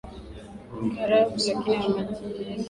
ni Kiarabu lakini wahamiaji wanatumia pia lugha zao hasa Kitagalog